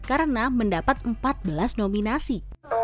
karena mendapat empat belas nominasi